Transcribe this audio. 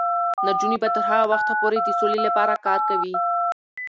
نجونې به تر هغه وخته پورې د سولې لپاره کار کوي.